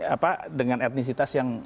apa dengan etnisitas yang